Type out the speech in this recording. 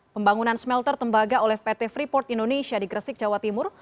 pembangunan smelter tembaga oleh pt freeport indonesia di gresik jawa timur